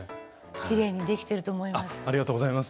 きれいにできてると思います。